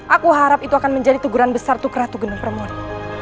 aku harap itu akan menjadi tuguran besar untuk ratu geneng permoni